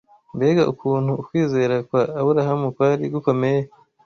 Mbega ukuntu ukwizera kwa Aburahamu kwari gukomeye!